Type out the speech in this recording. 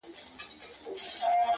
له حملو د غلیمانو له ستمه!.